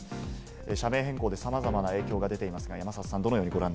社名変更でさまざまな影響が出ています、山里さん。